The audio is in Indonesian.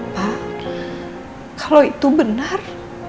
pak kalau itu benar